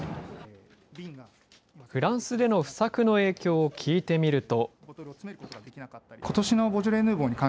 フランスでの不作の影響を聞いてみると。